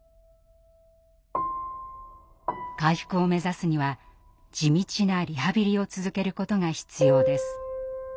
回復を目指すには地道なリハビリを続けることが必要です。